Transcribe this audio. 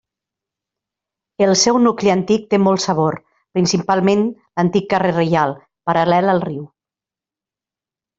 El seu nucli antic té molt sabor, principalment l'antic carrer Reial, paral·lel al riu.